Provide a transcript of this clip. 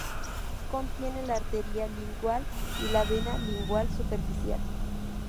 Contiene la arteria lingual y la vena lingual superficial.